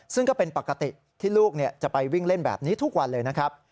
ซึ่งก็เป็นปกติที่ลูกจะไปวิ่งเล่นแบบนี้ทุกวันเลยนะครับ